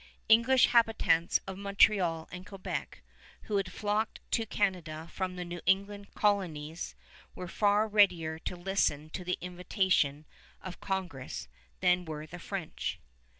English inhabitants of Montreal and Quebec, who had flocked to Canada from the New England colonies, were far readier to listen to the invitation of Congress than were the French.